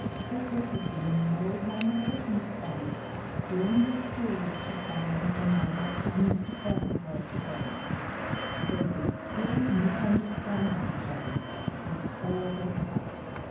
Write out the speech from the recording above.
But there had been no one circumstance during this period to bind Jemima and Mr Farquhar together. They were still misunderstanding each other with all their power.